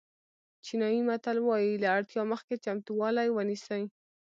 چینایي متل وایي له اړتیا مخکې چمتووالی ونیسئ.